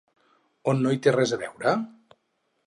O no hi té res a veure?